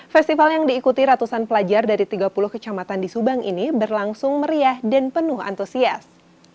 festival yang diikuti ratusan pelajar dari tiga puluh kecamatan di subang ini berlangsung meriah dan penuh antusias